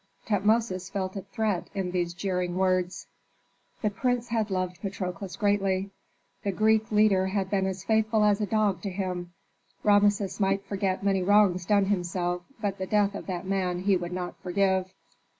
Tutmosis felt a threat in these jeering words. The prince had loved Patrokles greatly. The Greek leader had been as faithful as a dog to him. Rameses might forget many wrongs done himself, but the death of that man he would not forgive.